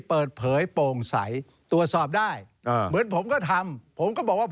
นี่นี่นี่นี่นี่